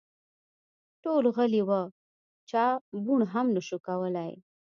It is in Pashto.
ټول غلي وه ، چا بوڼ هم شو کولی !